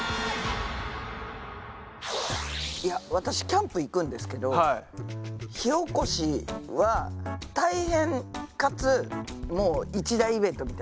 私キャンプ行くんですけど火おこしは大変かつもう一大イベントみたいな。